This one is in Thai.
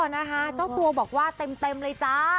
นะคะเจ้าตัวบอกว่าเต็มเลยจ้า